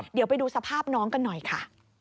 เดี๋ยวไปดูสภาพน้องกันหน่อยค่ะ